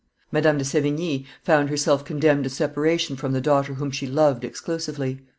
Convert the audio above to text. Madame de Sevigne found herself condemned to separation from the daughter whom she loved exclusively.